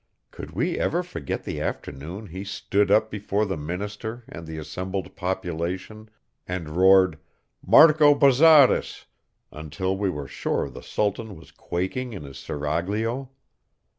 Could we ever forget the afternoon he stood up before the minister and the assembled population and roared "Marco Bozzaris" until we were sure the sultan was quaking in his seraglio?